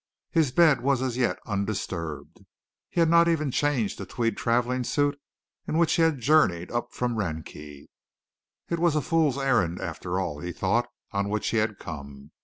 His bed was as yet undisturbed. He had not even changed the tweed travelling suit in which he had journeyed up from Rakney. It was a fool's errand, after all, he thought, on which he had come.